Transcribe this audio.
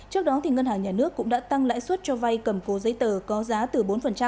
trước đó ngân hàng nhà nước cũng đã tăng lãi suất cho vay cầm cố giấy tờ có giá từ bốn